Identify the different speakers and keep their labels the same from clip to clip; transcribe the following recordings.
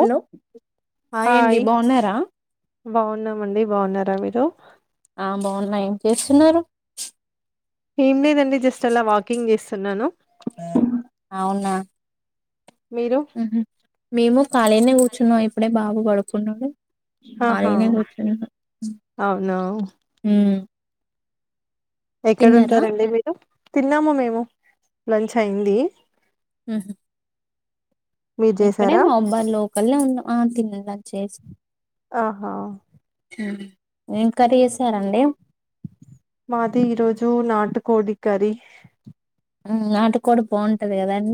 Speaker 1: Hello హాండి
Speaker 2: hi.
Speaker 1: బాగున్నారా
Speaker 2: బాగున్నామండి బాగున్నారా మీరు
Speaker 1: ఆ బాగున్నా ఏం చేస్తున్నారు
Speaker 2: ఇమ్దండి జస్ట్ అలా వాకింగ్ చేస్త చెన్నాను
Speaker 1: అవునా
Speaker 2: మీరు?
Speaker 1: హ మేము కఖాళీనే కూర్చున్నాం ఇప్పుడే బాగు పడుకు సున్నాడ
Speaker 2: ఆహా!
Speaker 1: కారనే కూర్చు
Speaker 2: అవునా! ఎక్కడ ఉంటారండి మీరు తిన్నామా మేము లంచ్ అయింది
Speaker 1: హ
Speaker 2: మీరు
Speaker 1: ఇక్కడే
Speaker 2: చేసారా?
Speaker 1: మా అబ్బాయి లోకల్లే ఉన్నాం ఆ తిన చేసి
Speaker 2: ఆహా
Speaker 1: ఇంకర చేసారండి
Speaker 2: మాది ఈరోజు నాటుకోడి కరి
Speaker 1: నాటి కూడా బాగుంటది కద అం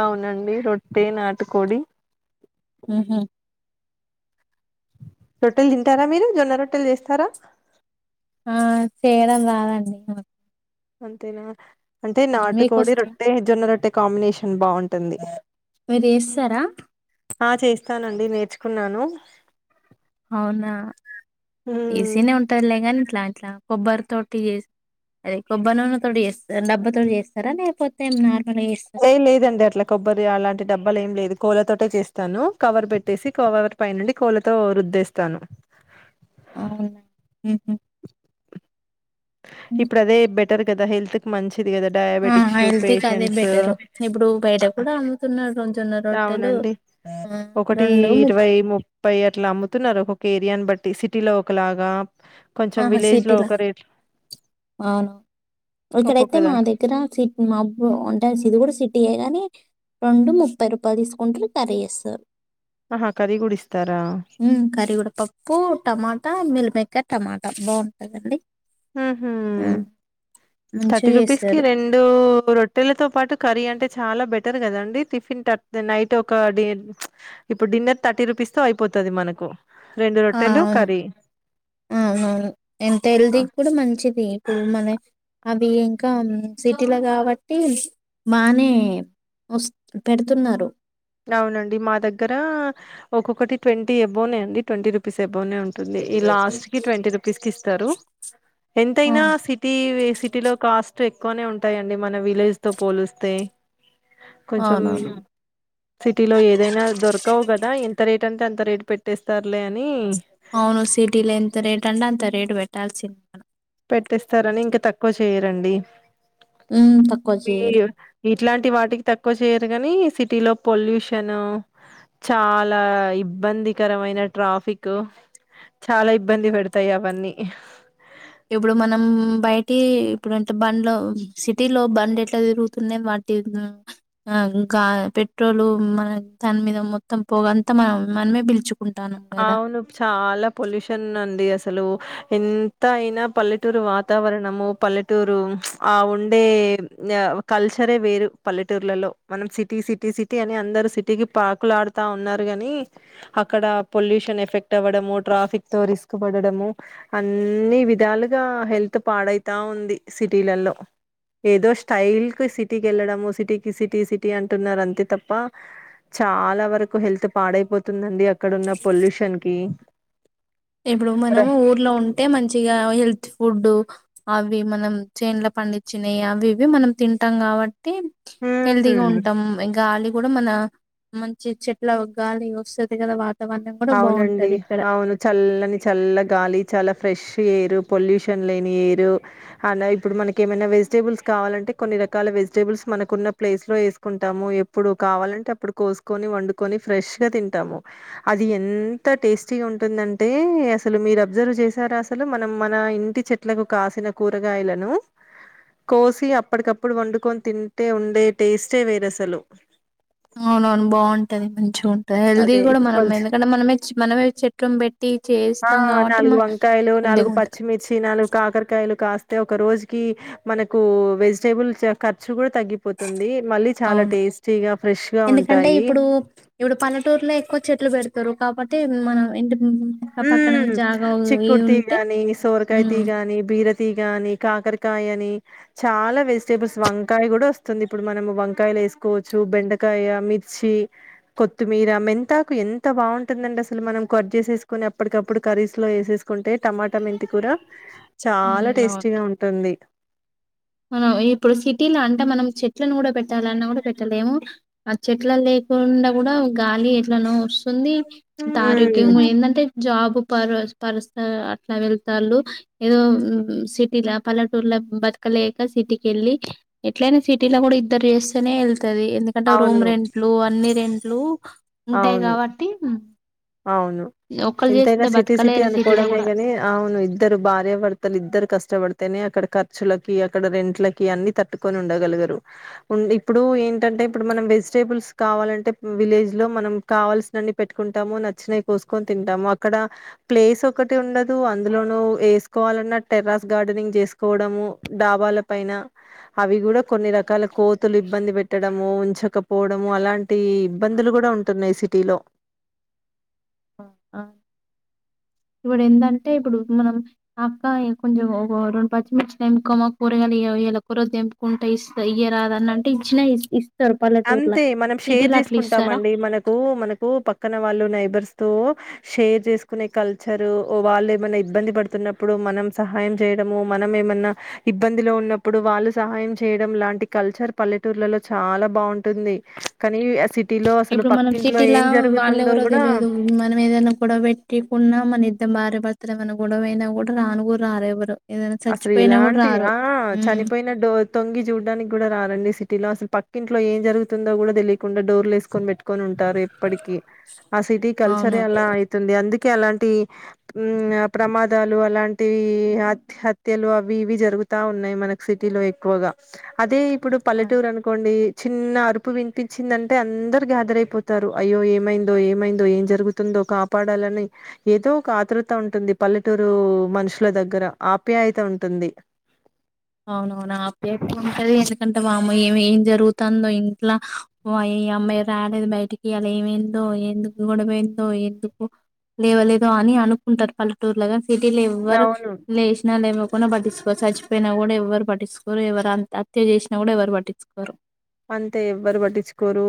Speaker 2: అవునండి రొట్టె నాటుకోడి
Speaker 1: ఆహ
Speaker 2: రొట్టలు తింటారా మీరు జొన్న రొట్టలు చేస్తారా
Speaker 1: ఆ చేయడం రాదండి
Speaker 2: అంతేనా అంటే నాటు కోడి
Speaker 1: మీకొస్తా
Speaker 2: రొట్టె జొన్న రొట్టె కాంబినేషన్ బాగుంటుంది
Speaker 1: మీరుచేస్తారా
Speaker 2: ఆ చేస్తానండి నేర్చుకున్నాను
Speaker 1: అవునా
Speaker 2: హ్మ్.
Speaker 1: ఈజీనే ఉంటదిలే గాని ఇట్లా ఇట్లా కొబ్బరి తోటి చేస్ అదే కొబ్బరి నూనే తోటి చేస్త డబ్బతోటి చేస్తారా లేకపోతే నా
Speaker 2: ఏం లేదండి అట్లా కొబ్బరి అలాంటి డబ్బాలు ఏం లేదు కోల తోటే చేస్తాను కవర్ పెట్టేసి కవర్ పైనుండి కోలతో రుద్దేస్తాను
Speaker 1: అవునా హ్మ్ మ్మ్
Speaker 2: ఇప్పుడు అదే బెటర్ కదా హెల్త్ కు మంచి ది కదా
Speaker 1: ఆ
Speaker 2: డయాబెటిక్స్,
Speaker 1: హెల్తీకి అదే
Speaker 2: పేషెన్స్
Speaker 1: బెటరు ఇప్పుడు బయట కూడా అమ్ముతున్నారు జొన్న రొట్టెలు
Speaker 2: అవునండి
Speaker 1: ఆ
Speaker 2: ఒకటి
Speaker 1: రెండు ముక్
Speaker 2: ఇరవై ముప్పై అట్లా అమ్ము తున్నారు ఒకొక్క ఏరియాని బట్టి సిటీలో ఒకలాగా కొంచెం
Speaker 1: ఆహా
Speaker 2: విలేజ్ లో
Speaker 1: సిటీలా
Speaker 2: ఒక రేట్
Speaker 1: అవును ఇక్కడైతే
Speaker 2: ఒక్కొక్కదా
Speaker 1: మా దగ్గర సిట్ మబ్బు ఉంటది ఇది కూడ సిటీయే గాని రెండు ముప్పై రూపాయలు తీసుకుంటరు కర్రీ వేస్తరు
Speaker 2: ఆహా కర్రీ కూడా ఇస్తారా
Speaker 1: కర్రీ గూడ పప్పు, టమాటా, మిల్ మేకర్ టమాట బాగుంటదండి
Speaker 2: హ్మ్
Speaker 1: ఆ,
Speaker 2: మ్మ్ థర్టీ
Speaker 1: మంచిగా
Speaker 2: రూపీస్ కి
Speaker 1: చేస్తారు
Speaker 2: రెండు రొట్టెలతో పాటు కర్రీ అంటే చాల బెటర్ కదండి టిఫిన్ నైట్ ఒక డే ప్చ్ ఇప్పుడు డిన్నర్ థర్టీ రూపీస్ తో అయిపోతది మనకు రెండు
Speaker 1: ఆ
Speaker 2: రొట్టెలు
Speaker 1: అవును
Speaker 2: కర్రీ
Speaker 1: అవునవును ఎంత హెల్దీ కూడ మంచిది ఇప్పుడు మన అవి ఇంకా సిటీలో కాబట్టి బానే వస్ పెడుతున్నారు
Speaker 2: అవునండి మా దగ్గర ఒక్కొక్కటి ట్వెంటీ ఎబోనే అండి ట్వెంటీ రూపీస్ ఎ బోనే ఉంటుంది లాస్ట్ కి ట్వెంటీ రూపీస్ కి ఇస్తారు
Speaker 1: ఆ
Speaker 2: ఎంతైనా సిటీ వే సిటీలో కాస్ట్ ఎక్కువనే ఉంటాయండి మన విలేజ్ తో పోలిస్తే కొంచెం
Speaker 1: అవునవును
Speaker 2: సిటీలో ఏదైనా దొరకవు కదా ఎంత రేట్ అంటే అంత రేటు పెట్టేస్తారులే అనీ
Speaker 1: అవును సిటీల ఎంత రేటంటే అంత రేట్ పెట్టాల్సిందే మనం
Speaker 2: స్తారని ఇంక తక్కువ చేయరండి
Speaker 1: మ్మ్ తక్కువ చేయరు
Speaker 2: ఈ- ఇట్లాంటి వాటికి తక్కువ చేయరుగాని సిటీలో పొల్యూషన్ చాల ఇబ్బందికరమైన ట్రాఫిక్ చాల ఇబ్బంది పెడతాయి అవన్నీ
Speaker 1: ఇప్పుడు మనం బయటి ఇప్పుడంటే బండ్ సిటీలో బండ్ ఎట్లా తిరుగుతున్నాయి వాటి ఆ ఇంక పెట్రోలు మన దాని మీద మొత్తం పోగ అంత మనం మనమే పీల్చు
Speaker 2: అవును చాల పొల్యూషన్ అంది అస లు ఎంత అయినా పల్లెటూరు వాతావరణము పల్లెటూరు ప్చ్ ఆ ఉండే కల్చరే వేరు పల్లెటూర్లలో మనం సిటీ సిటీ సిటీ అని అందరు సిటీకి పాకులాడుతా ఉన్నారు కాని అక్కడ పొల్యూషన్ ఎఫెక్ట్ అవ్వడము ట్రాఫిక్ తో రిస్క్ పడడము అన్నీ విధాలుగా హెల్త్ పాడైతా ఉంది సిటీలలో ఏదో స్టైల్కి సిటీకి వెళ్ళడము సిటీకి సిటీ సిటీ అంటున్నారు అంతే తప్ప చాల వరకు హెల్త్ పాడైపోతుందండి అక్కడ పొల్యూషన్కి
Speaker 1: ఇప్పుడు మనము ఊర్లో ఉంటే మంచిగా హెల్త్ ఫుడ్ అవి మనం చేన్ల పండించినాయి అవి ఇవి మనం తింటాం కాబట్టి అ హెల్తీగా
Speaker 2: హ్మ్
Speaker 1: ఉంటాం ఇంకా ఆలి కూడా మన మంచి చెట్ల గాలి వస్తుంది కదా వా
Speaker 2: అవునండి అవును చల్ చల్ల గాలి చాలా ఫ్రెష్ ఎయిర్ పొల్యూషన్ లేని ఎయిరు అండ్ ఇప్పుడు మనక ఏమైనా వెజిటేబుల్స్ కావాలంటే కొన్ని రకాల వెజిటేబుల్స్ మనకున్న ప్లేస్ లో వేసుకుంటాము ఎప్పుడు కావాలంటే అప్పుడు కోసుకొని వండుకొని ఫ్రెష్ గా తింటాము అది ఎంత టేస్టీగా ఉంటుందంటే అసలు మీరు అబ్జర్వ్ చేసారా అసలు మనం మన ఇంటి చెట్లకు కాసిన కూరగాయలను కోసి అప్పటికప్పుడు వండుకొని తింటే ఉండే టేస్టే వేర అసలు
Speaker 1: అవున అవును బాగుంటది మంచిగా ఉంట హెల్దీ
Speaker 2: అదే
Speaker 1: కూడా
Speaker 2: ఇప్పుడు
Speaker 1: మనం
Speaker 2: కొంచెం
Speaker 1: ఎందుకంటే మనమే మనమే చెట్ం పెట్టి
Speaker 2: ఆ
Speaker 1: చేస్తాం కాబట్టి
Speaker 2: నాలుగు
Speaker 1: మన
Speaker 2: వంకాయలు
Speaker 1: హెల్దీగా
Speaker 2: నాలుగు
Speaker 1: ఉంటది
Speaker 2: పచ్చిమిర్చి నాలుగు కాకరకాయలు కాస్త అ ఒక రోజుకి మనకు వెజిటేబుల్ ఖర్చు కూడా తగ్గిపోతుంది. మళ్ళీ చాలా
Speaker 1: అవును
Speaker 2: టేస్టీగా ఫ్రెష్ గా
Speaker 1: ఎందుకంటే
Speaker 2: ఉంటాయి.
Speaker 1: ఇప్పుడు ఇప్పుడు పల్లెటూరులో ఎక్కువ చెట్లు పెడతారు కాబట్టి అతే మనం ఎంత
Speaker 2: హ్మ్ చిక్కుడు
Speaker 1: ఉంటే
Speaker 2: తీగానీ సోరకాయ
Speaker 1: ఉమ్
Speaker 2: తీ గాని బీరతి గానీ కాకరకాయ అని చాలా వెజిటేబుల్స్ వంకాయ కూడా వస్తుంది ఇప్పుడు మనం వంకాయలు వేసుకోవచ్చు బెండకాయ మిర్చి కొత్తిమీర మెంతాకు ఎంత బాగుంటుందండి అసలు మనం కొరజ చేసేసు కొని ఎప్పటికప్పుడు కరీస్ లో ఎసెస్ తీకుంటే టమాటా మెంతి కూడా
Speaker 1: హ్మ్.
Speaker 2: చాలా టేస్టీగా ఉంటుంది
Speaker 1: హ్మ్ ఇప్పుడు సిటీలో అంటే మనం చెట్లను కూడా పెట్టాలన్నా కూడా పెట్టలేము ఆ చెట్ల లేకుండా కూడా గాలి ఎట్లనో వస్తు ంది ఆరోగ్యం
Speaker 2: హ్మ్
Speaker 1: ఏంటంటే జాబ్ పరస్ పరస్థ అట్లా వెళ్తాళ్ళు ఏదో సిటీల పల్లెటూరులో బ లేక సిటీకి ఎళ్ళి ఎట్లయినా సిటీలో కూడా ఇద్దరు చేస్తేనే ఎల్ ది ఎందుకంటే రూమ్
Speaker 2: అవును.
Speaker 1: రెంట్లు అన్ని గంట్లు ఉంటాయి
Speaker 2: అవును.
Speaker 1: కావట్టి
Speaker 2: అవును ఎంతైనా సిటీ సిటీ
Speaker 1: బతకలేరు సిటీలో గూడా.
Speaker 2: అనుకోడమేగనీ అవును ఇద్దరు భార్య భర్తలు ఇద్దరు కష్టపడతనే అది అడ ఖర్చులకి అక్కడ రెంట్లకి అన్నీ తట్టుకని ఉండగలగరు ఉండి ఇప్పుడు ఏంటంటే ఇప్పుడు మన వెజిటబుల్స్ కావాలంటే ఇప్పుడు విలేజ్ లో మనకు కవల్సినన్ని పెట్టుకుంట వ అ కోతులు ఇబ్బంది పెట్టడము ఉంచక పోవడము అలాంటి ఇబ్బందులు కూడా ఉంటున్నాయి సిటీలో
Speaker 1: ఆ! ఆ! ఇప్పుడు ఎందంటే ఇప్పుడు మనం అక్క కొంచెం ఒక రెండు పచ్చిమిర్చిలు ఎంపుకోమ కూరగాయలు వళ కూర తెంపుకుంటే ఇస్త ఇయరాద అన్నంటే ఇచ్చినా ఇ
Speaker 2: అంతే మనం షేర్ చేసుకుంటామ
Speaker 1: ఇస్తారా
Speaker 2: అండి మనకు మనకు పక్కన వాళ్ళు నైబర్స్ తో షేర్ చేసుకునే కల్చర్ వాళ్ళు ఏమైన్నా ఇబ్బంది పడుతున్నప్పుడు మనం సహాయం చేయడము మనం ఏమన్నా ఇబ్బందిలో ఉన్నప్పుడు వాళ్ళు సహాయం చేయడం లాంటి కల్చర్ పల్లెటూర్లలో చాలా బాగుంటుంది కానీ అసి
Speaker 1: ఇప్పుడు మనం సిటీలా వాళ్ళెవరో
Speaker 2: కూడా
Speaker 1: తెలియదు మనం ఏదైనా గొడవ పెట్టికున్నా మన భార్యాభర్త ఏమన్నా గొడవ అయినా కూడా రాను కూడా రారు ఎవ్వరూ
Speaker 2: అసలు ఇలాంటివి ఆ
Speaker 1: ఉమ్
Speaker 2: చనిపోయిన డో తొంగి చూడ్డానికి కూడా రారండి సిటీలో అసలు పక్కింట్లో ఏ జరుగుతుందో కూడా తెలియకుండా డోర్లు వేసుకొని పెట్టు కోని ఉంటారు ఇప్పటికి ఆ సిటీ కల్చరే
Speaker 1: అవును
Speaker 2: అలా అయితుంది అందుక అలాంటి ప్రమాదాలు అలాంటి హత్య హత్యలు అవి ఇవి జరుగుతా ఉన్నాయి మనకి సిటీలో ఎక్కువగా అదే ఇప్ ఇప్పుడు పల్లెటూరు అనుకోండి చిన్న అరుపు వినిపిచిందంటే అందరు గ్యాదర్ అయిపోతారు అయ్యో ఏమైందో ఏమైందో ఏం జరుగుతుందో కాపాడాలని ఏదో ఒక ఆతురుత ఉంటుంది. పల్లెటూరు మనుషుల దగ్గర ఆ ఆప్యాయత ఉంటుంది.
Speaker 1: అవును నా ఆప్యాయత ఉంటది ఎందుకంటే మా అమ్మ ఏమి ఏం జరుగుతుందో ఇంట్లో ఈ అమ్మాయి రాలేదు బయటికి అలా ఏమైందో ఎందుకు గొడవ ఆయిందో ఎందుకు లేవలేదో అని అనుకుంటారు. పల్లెటూరులోగా సిటీలో ఎవ్వరు
Speaker 2: అవును.
Speaker 1: లేసిన లెవకు మొన్న పట్టించుకోరు సచ్చిపొయిన కూడ ఎవరు పట్టిచ్చుకోరు ఎవరు హంత హత్య చేసినా కూడా ఎవరు పట్టిచ్చు కోరు
Speaker 2: అంతే ఎవరు పట్టిచ్చుకోరు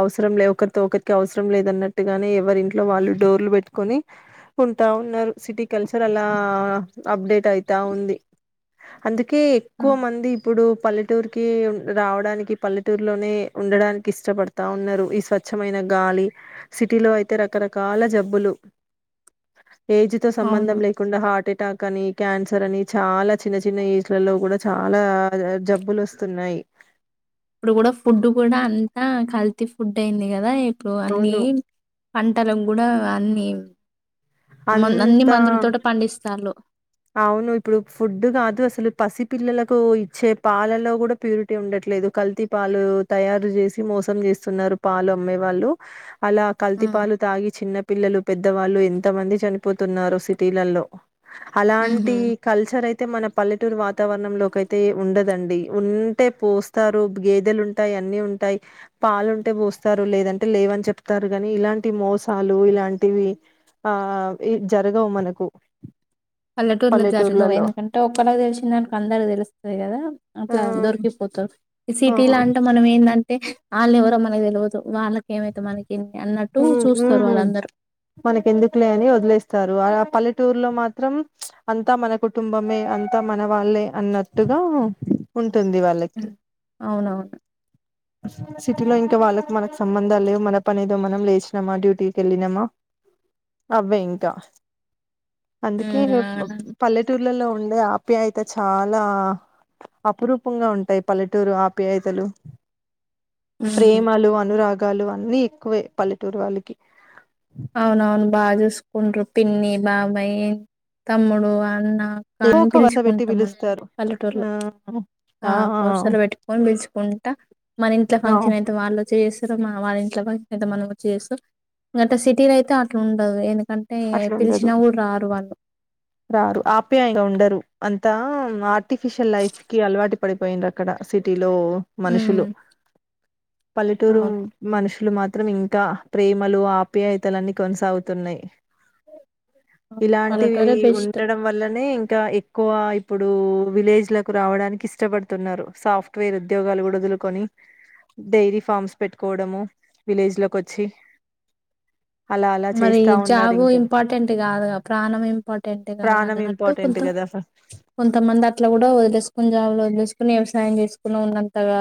Speaker 2: అవసరం లే ఒకరితో ఒకరికి అవసరం లేదున్నట్టుగానే ఎవరి ఇంట్లో వాళ్ళు డోర్లు పెట్టుకొని ఉంటా ఉన్నారు. సిటీ కల్చర్ అలా అప్డేట్ అయితా ఉంది. అందుకే కే
Speaker 1: ఆ!
Speaker 2: ఎక్కువ మంది ఇప్పుడు పల్లె పల్లెటూరు కి రావడానికి పల్లెటూరులోనే ఉండడానికి ఇష్టపడతా ఉన్నారు. ఈ స్వచ్ఛమైన గాలి సిటీలో అయితే రకరకాల జబ్బులు ఏజ్ తో సంబంధం
Speaker 1: అవును
Speaker 2: లేకుండా హార్ట్ ఎటాక్ అని క్యాన్సర్ అని చాలా చిన్న చిన్న ఏజ్లలో కూడా చాలా జబ్బులొస్తున్నాయి.
Speaker 1: ఇప్పుడు కూడా ఫుడ్ కూడా అంతా కల్తీ ఫుడ్ అయింది. కదా ఇప్పుడు అన్ని
Speaker 2: అవును
Speaker 1: పంటలకు కూడా అన్ని మం అన్ని
Speaker 2: అంత
Speaker 1: మందులతొటే పండిస్తాలు
Speaker 2: అవును ఇప్పుడు ఫుడ్ కాదు అసలు పసి పిల్లలకు ఇచ్చే పాలలో కూడా ప్యూరిటీ ఉండట్లేదు కల్తీ పాలు తయారు చేసి మోసం చేస్తున్నారు. పాలు అమ్మే వాళ్ళు అలా కల్తీ పాలు తాగి చిన్న పిల్లలు పెద్దవాళ్ళు ఎంత మంది చని పోతున్నారో సిటీలలో అలాంటి
Speaker 1: ఉహు
Speaker 2: కల్చర్ అయి అయితే మన పల్లెటూరు వాతావరణంలోకయితే ఉండదండి. ఉంటే పోస్తారు గేదెలు ఉంటాయి. అన్ని ఉంటాయి. పాలుంటే పోస్తారు లేదంటే లేవని చెప్తారు గాని ఇలాంటి మోసాలు ఇలాంటివి ఆ జరగవు మనకు
Speaker 1: పల్లెటూరులో జరగవు
Speaker 2: పల్లెటూర్లలో.
Speaker 1: ఎందుకంటే ఒకళ్ళకి తెలిసిందనుకొ అందరకి తెలుస్తదికదా
Speaker 2: ఆ!
Speaker 1: అట్లా దొరికిపోతరు
Speaker 2: ఆ!
Speaker 1: సిటీ లా అంత మనం ఏంద అంటే ఆళ్ళెవరో మనకి తెలవదు వాళ్ళకెమైతే మనకి
Speaker 2: హు హు మనకి ఎందుకులే అని వదిలేస్తారు ఆ పల్లెట టూర్ లో మాత్రం అంతా మన కుటుంబమే అంతా మన వాళ్ళే అన్నట్టుగా ఉంటు టుంది వాళ్ళకి
Speaker 1: అవునవును
Speaker 2: సిటీలో ఇంకా వాళ్ళకు మనకు సంబంధాలు లేవు మన పనేదో మనం లేచినామా డ్యూటీకి వెళ్ళినమా అవ్వే ఇంకా అందుకే ప
Speaker 1: ఉమ్
Speaker 2: పల్లెటూర్లలో ఉండే ఆప్యాయత చాలా అపురూపంగా ఉంటాయి పల్లెటూరు ఆప్యాయతలు
Speaker 1: ఉహు
Speaker 2: ప్రేమలు, అనురాగ గాలు అన్ని ఎక్కువే పల్లెటూరు వాళ్ళకి
Speaker 1: అవునవును బా చూస్కుండు పిన్ని, బాబాయి, తమ్ముడు, అన్న అక్క
Speaker 2: ఏదో
Speaker 1: అని
Speaker 2: ఒక వస పెట్టి
Speaker 1: పిలుచుకుంటాం మనం
Speaker 2: పిలుస్తారు
Speaker 1: పల్లెటూరులో ఆ వర్సలు పెట్టుకొని పిలుచుకుంటా మన ఇంట్లో ఫంక్షన్ అయితే వాళ్ళు చేసి ఏదో వాళ్ళ ఇంట్లో మనం చేసు ఎంతసే టిలో అయితే అట్లా ఉండదు ఏన అంటే
Speaker 2: అట్లా
Speaker 1: పిలిచిన
Speaker 2: ఉండదు
Speaker 1: కూడు రారు వాళ్ళు
Speaker 2: రారు ఆప్యాయంగా ఉండరు అంతా ఆర్టిఫిషియల్ లైఫ్ కి అలవాటు పడిపోయింది అక్కడ సిటీ లో మనుషులు
Speaker 1: ఉమ్
Speaker 2: పల్లెటూరు
Speaker 1: అవును
Speaker 2: మనుషులు ఇట్లు మాత్రం ఇంకా ప్రేమలు, ఆప్యాయతలన్నీ కొనసాగుతున్నాయి. ఇలాంటివి
Speaker 1: పల్లెటూరే బెస్
Speaker 2: ఉండడం వల్లనే ఇంకా ఎక్కువ ఇప్పుడు విలేజ్లకు రావడానికి ఇష్టపడుతున్నారు సాఫ్ట్వేర్ ఉద్యోగాలు కూడా వదులుకొని డైరీ ఫార్మ్స్ పెట్టుకోవడము విలేజ్ లోకి వచ్చి అలా అలా
Speaker 1: మరి
Speaker 2: చేస్తా ఉన్నారు
Speaker 1: జాబు
Speaker 2: ఇంకా
Speaker 1: ఇంపార్టెంట్ కాదు ప్రాణం ఇంపార్టెంట్ టెగా
Speaker 2: ప్రాణం
Speaker 1: అన్నట్టు
Speaker 2: ఇంపార్టెంట్
Speaker 1: కొంత
Speaker 2: కదా
Speaker 1: కొంతమంది అట్లా కూడా వదిలేసుకొని జాబ్ వదిలేసుకుని వ్యవసాయం చేసుకుని ఉన్నంతగా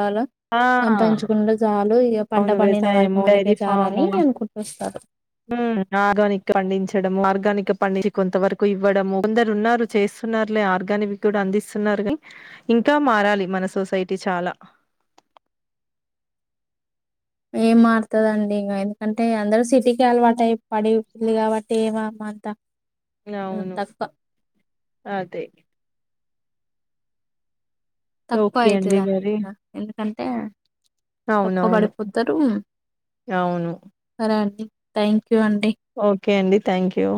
Speaker 2: ఆ
Speaker 1: సంపాదించుకుడా చాలు ఇగ పంట
Speaker 2: అవును
Speaker 1: పండిన వారికి
Speaker 2: వ్యవసాయము
Speaker 1: మనకే చాలు అని అనుకుంటూ వస్తారు
Speaker 2: ఉ ఆర్గానిక్ పండించడము ఆర్గానిక్ పండించి కొంత వరకు ఇవ్వడము కొందరు ఉన్నారు చేస్తున్నారులే ఆర్గానిక్ కూడా అందిస్తున్నారు అని ఇంకా మారాలి మన సొసైటీ చాలా
Speaker 1: ఏం మారుతదండి ఇంక ఎందుకంటే అందరు సిటీకే అలవాటు అయి పడి పల్లి కాబట్టి మమంత
Speaker 2: అవును అదే ఓకే అండి
Speaker 1: తప్పయితదా
Speaker 2: మరి.
Speaker 1: ఎందు అంటే తక్కువ
Speaker 2: అవునవును.
Speaker 1: పడిపోతారు
Speaker 2: అవును.
Speaker 1: సరే అండి థ్యాంక్ యూ అండి
Speaker 2: ఓకే అండి థ్యాంక్యూ